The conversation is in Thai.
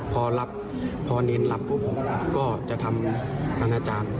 พอเลิกพอเนรนพรุ่งก็จะทำเงินอาจารย์